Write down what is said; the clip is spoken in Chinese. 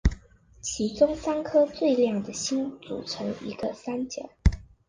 其中三颗最亮的星组成一个三角。